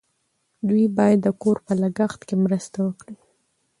دوی باید د کور په لګښت کې مرسته وکړي.